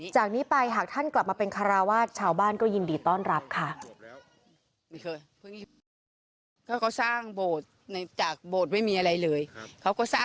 จากนี้ไปหากท่านกลับมาเป็นคาราวาสชาวบ้านก็ยินดีต้อนรับค่ะ